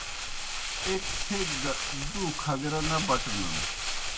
ایْک تھیک دہ دُو کھگرہ نہ بٹنَن